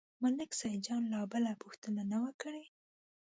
ملک سیدجان لا بله پوښتنه نه وه کړې.